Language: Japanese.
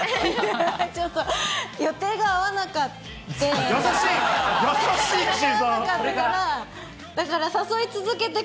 ちょっと予定が合わなくて。